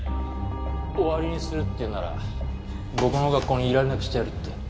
終わりにするって言うなら僕の学校にいられなくしてやるって。